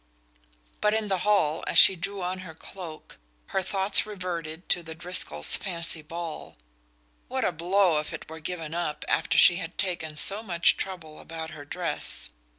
But in the hall, as she drew on her cloak, her thoughts reverted to the Driscoll fancy ball. What a blow if it were given up after she had taken so much trouble about her dress!